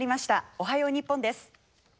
「おはよう日本」です。